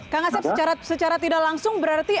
kak ngaset secara tidak langsung berarti